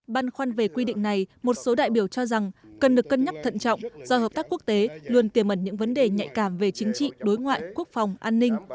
băn khoăn về quy định này một số đại biểu cho rằng cần được cân nhắc thận trọng do hợp tác quốc tế luôn tiềm mẩn những vấn đề nhạy cảm về chính trị đối ngoại quốc phòng an ninh